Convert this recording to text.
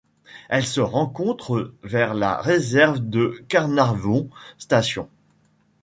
Elle se rencontre vers la réserve de Carnarvon Station.